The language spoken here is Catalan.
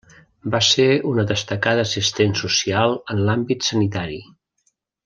Va ser una destacada assistent social en l'àmbit sanitari.